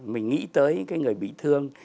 mình nghĩ tới cái người bị thương